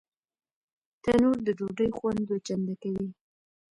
تنور د ډوډۍ خوند دوه چنده کوي